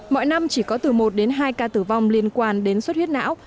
mỗi năm chỉ có từ một đến hai ca tử vong liên quan đến số xuất huyết não